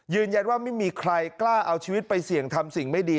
ยืนยันว่าไม่มีใครกล้าเอาชีวิตไปเสี่ยงทำสิ่งไม่ดี